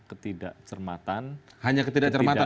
ketidakcermatan hanya ketidakcermatan